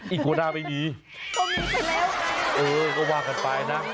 อีกว่าหน้ามันมีวันอีกว่าน่าไปดี